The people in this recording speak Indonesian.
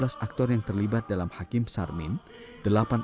dari empat belas aktor yang terlibat dalam hakim sarmin